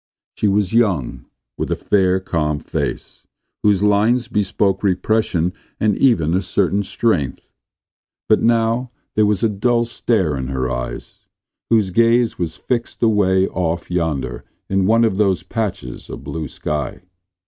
She was young, with a fair, calm face, whose lines bespoke repression and even a certain strength. But now there was a dull stare in her eyes, whose gaze was fixed away off yonder on one of those patches of blue sky.